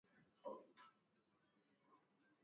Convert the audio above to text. Sisahau habari zako.